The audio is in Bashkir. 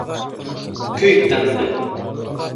Көй тынды.